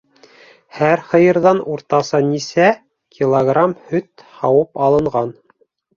Һәр һыйырҙан уртаса нисә килограмм һөт һауып алынған?